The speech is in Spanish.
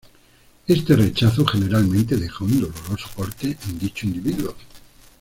Este rechazo generalmente deja un doloroso corte en dicho individuo.